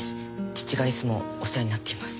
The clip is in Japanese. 父がいつもお世話になっています